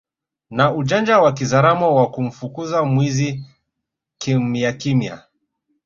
na ujanja wa kizaramo wa kumfukuza mwizi kimyakimya